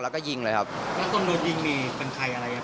แล้วก็ยิงเลยครับแล้วคนโดนยิงนี่เป็นใครอะไรยังไง